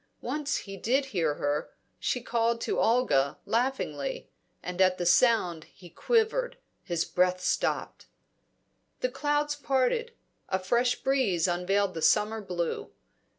Once he did hear her; she called to Olga, laughingly; and at the sound he quivered, his breath stopped. The clouds parted; a fresh breeze unveiled the summer blue.